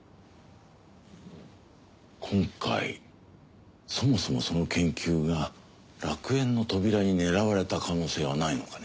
今回そもそもその研究が楽園の扉に狙われた可能性はないのかね？